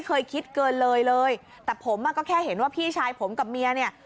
เคยคิดเกินเลยเลยแต่ผมอ่ะก็แค่เห็นว่าพี่ชายผมกับเมียเนี่ย